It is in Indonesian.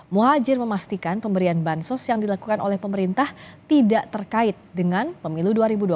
muhajir memastikan pemberian bansos yang dilakukan oleh pemerintah tidak terkait dengan pemilu dua ribu dua puluh